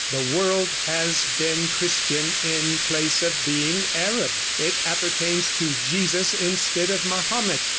The world has been Christian in place of being Arab. It appertains to Jesus instead of Mahomet.